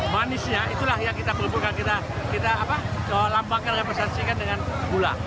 manisnya itulah yang kita lambangkan representasikan dengan gula